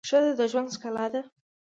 ښځه د ژوند ښکلا ده